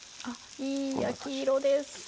あっいい焼き色です。